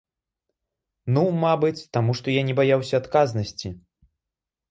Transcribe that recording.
Ну, мабыць, таму што я не баяўся адказнасці.